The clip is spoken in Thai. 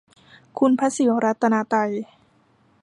คุณพระศรีรัตนตรัย